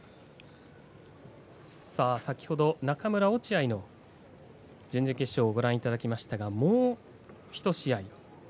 先ほど中村と落合の準々決勝をご覧いただきましたがもう１試合。